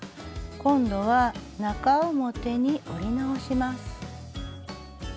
今度は中表に折り直します。